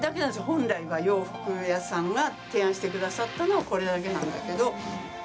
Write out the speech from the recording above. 本来は、洋服屋さんが提案してくださったのはこれだけなんだけど。